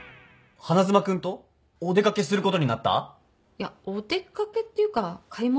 いやお出掛けっていうか買い物？